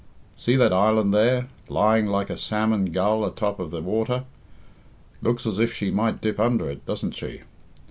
See that island there, lying like a salmon gull atop of the water? Looks as if she might dip under it, doesn't she?